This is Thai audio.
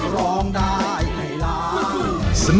ร้องได้ให้ล้าน